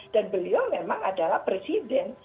dan beliau memang adalah presiden